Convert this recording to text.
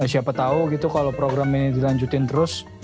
siapa tau gitu kalo program ini dilanjutin terus